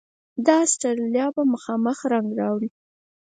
داستړیا به خامخا رنګ راوړي.